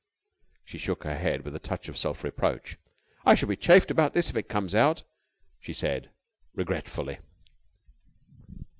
She shook her head with a touch of self reproach. "I shall be chaffed about this if it comes out," she said regretfully.